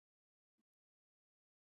افغانستان په کوچیان غني دی.